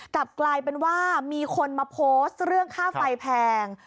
กลับกลายเป็นว่ามีคนมาโพสต์เรื่องค่าไฟแพง